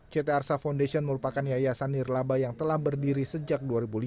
ct arsa foundation merupakan yayasan nirlaba yang telah berdiri sejak dua ribu lima belas